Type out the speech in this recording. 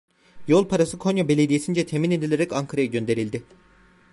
Yol parası Konya Belediyesi'nce temin edilerek Ankara'ya gönderildi.